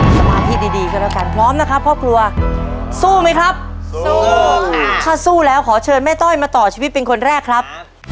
สมาธิดีดีก็แล้วกันพร้อมนะครับครอบครัวสู้ไหมครับสู้ถ้าสู้แล้วขอเชิญแม่ต้อยมาต่อชีวิตเป็นคนแรกครับ